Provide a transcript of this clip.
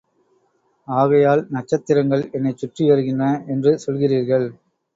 ஆகையால், நட்சத்திரங்கள் என்னைச்சுற்றி வருகின்றன என்று சொல்கிறீர்கள்.